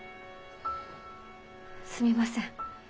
すみません。